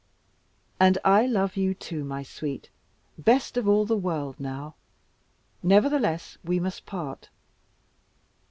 "And I love you too, my sweet, best of all the world now. Nevertheless, we must part."